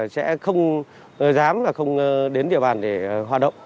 sẽ không dám và không đến địa bàn để hoạt động